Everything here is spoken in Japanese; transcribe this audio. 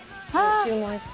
注文して。